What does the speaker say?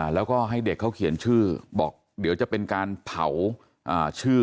แล้วก็ให้เด็กเขาเขียนชื่อบอกเดี๋ยวจะเป็นการเผาชื่อ